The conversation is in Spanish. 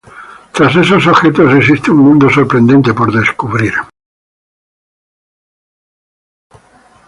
Tras esos objetos existe un mundo sorprendente por descubrir.